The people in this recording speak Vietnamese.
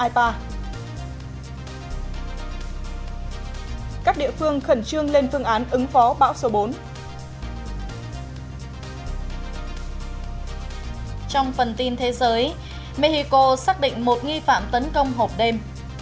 trong phần tin thế giới mexico xác định một nghi phạm tấn công hộp đêm